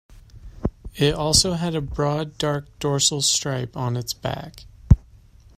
It also had a broad dark dorsal stripe on its back.